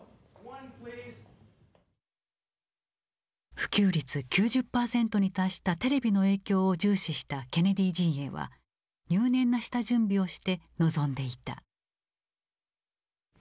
普及率９０％に達したテレビの影響を重視したケネディ陣営は入念な下準備をして臨んでいた。